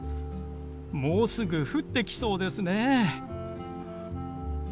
もうすぐ降ってきそうですね。